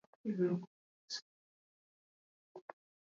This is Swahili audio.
Shilingi mia mbili themanini na tisa za Tanzania